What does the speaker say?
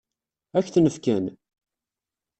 Ad k-ten-fken?